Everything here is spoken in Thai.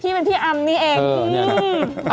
พี่เป็นพี่อำนี่เอง